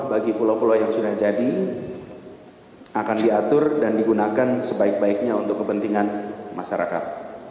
bagi pulau pulau yang sudah jadi akan diatur dan digunakan sebaik baiknya untuk kepentingan masyarakat